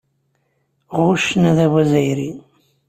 Ɣuccen adabu azzayri.